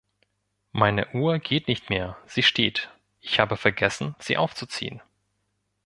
Meine Uhr geht nicht mehr sie steht; ich habe vergessen, sie aufzuziehen.